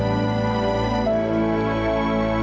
ilya ini perkecoh